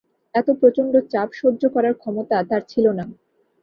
এত প্রচণ্ড চাপ সহ্য করার ক্ষমতা তার ছিল না।